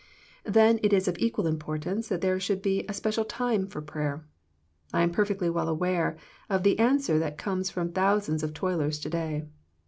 Then it is of equal importance that there should be a special time for prayer. I am perfectly well aware of the answer that comes from thou sands of toilers to day.